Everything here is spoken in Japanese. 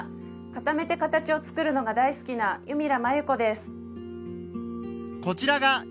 固めて形をつくるのが大好きな弓良麻由子です。